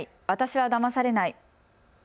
私はだまされない。